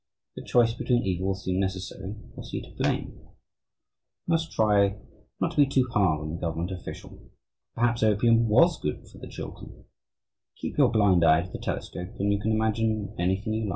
If a choice between evils seemed necessary, was he to blame? We must try not to be too hard on the government official. Perhaps opium was good for children. Keep your blind eye to the telescope and you can imagine anything you like.